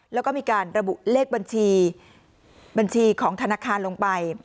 แล้วก็มีการระบุเลขบัญชีบัญชีของธนาคารลงไป